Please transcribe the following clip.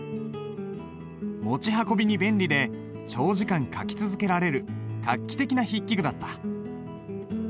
持ち運びに便利で長時間書き続けられる画期的な筆記具だった。